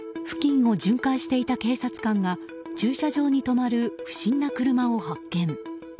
付近を巡回していた警察官が駐車場に止まる不審な車を発見。